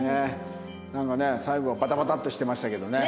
なんかね最後はバタバタッとしてましたけどね。